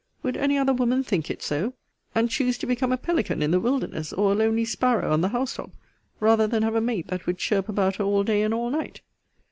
Would any other woman think it so? and choose to become a pelican in the wilderness, or a lonely sparrow on the house top, rather than have a mate that would chirp about her all day and all night?